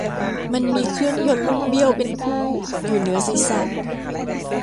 มันมีเครื่องยนต์ลูกเบี้ยวเป็นคู่อยู่เหนือศรีษะ